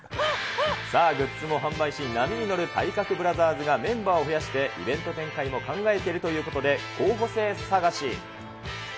さあ、グッズも販売し、波に乗る体格ブラザーズがメンバーを増やして、イベント展開も考えているということで、候補生探し。